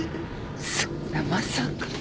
そんなまさか。